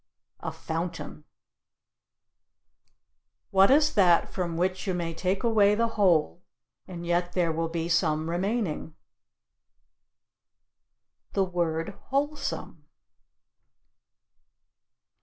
A fountain. What is that from which you may take away the whole and yet there will be some remaining? The word wholesome.